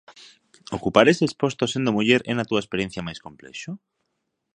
Ocupar eses postos sendo muller é na túa experiencia máis complexo?